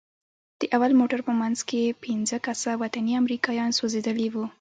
د اول موټر په منځ کښې پينځه کسه وطني امريکايان سوځېدلي وو.